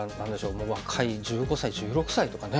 もう若い１５歳１６歳とかね。